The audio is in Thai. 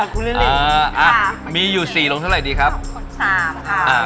คุณเล่นอีกอ่าอ่ะมีอยู่สี่ลงเท่าไหร่ดีครับสามครับอ่า